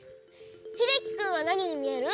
ひできくんはなににみえる？